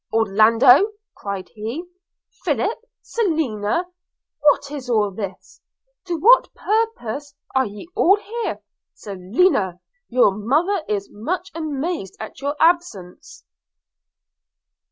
'Orlando!' cried he, 'Philip! Selina! what is all this? to what purpose are ye all here? – Selina! your mother is much amazed at your absence.'